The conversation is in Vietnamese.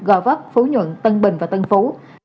gò vất phú nhuận tân bình và tân phú